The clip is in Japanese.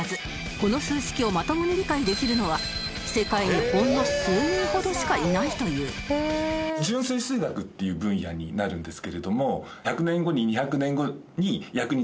この数式をまともに理解できるのは世界にほんの数名ほどしかいないというような分野になってます。